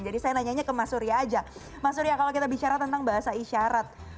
jadi saya nanyanya ke mas surya aja mas surya kalau kita bicara tentang bahasa isyarat